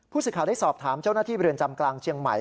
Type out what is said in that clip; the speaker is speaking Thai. สิทธิ์ได้สอบถามเจ้าหน้าที่เรือนจำกลางเชียงใหม่